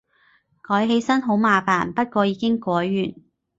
改起身好麻煩，不過已經改完